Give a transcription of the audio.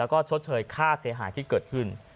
แล้วก็ชดเชยค่าเสียหายที่เกิดขึ้น